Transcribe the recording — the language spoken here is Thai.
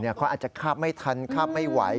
เขาอาจจะคาบไม่ทันคาบไม่ไหว